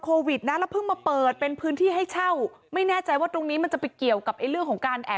ก็เคยไปแต่ว่าไม่ได้แบบเราแค่ผ่านเฉยไม่ได้แบบเข้าไปอะไรอย่างนั้นนะครับ